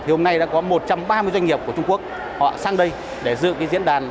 thì hôm nay đã có một trăm ba mươi doanh nghiệp của trung quốc họ sang đây để dự cái diễn đàn